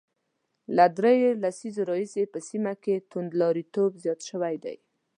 له درېو لسیزو راهیسې په سیمه کې توندلاریتوب زیات شوی دی